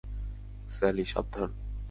Sally, সাবধান!